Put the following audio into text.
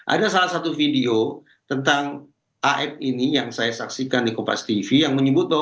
ada salah satu video tentang af ini yang saya saksikan di kupas tv yang menyebut bahwa